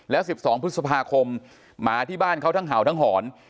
แล้ว๑๒พฤษภาคมหมาที่บ้านเขาทั้งเห่าทั้งหอน